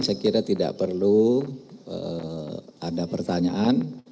saya kira tidak perlu ada pertanyaan